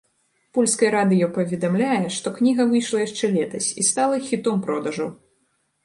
Польскае радыё паведамляе, што кніга выйшла яшчэ летась і стала хітом продажаў.